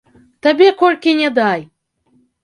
Табе колькі ні дай!